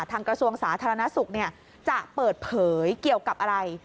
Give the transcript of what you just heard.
กระทรวงสาธารณสุขจะเปิดเผยเกี่ยวกับอะไร